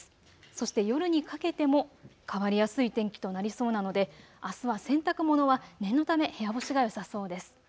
そして夜にかけても変わりやすい天気となりそうなのであすは洗濯物は、念のため部屋干しがよさそうです。